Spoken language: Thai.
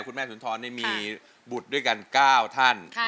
คุณแม่สุนทรนี่มีบุตรด้วยกัน๙ท่าน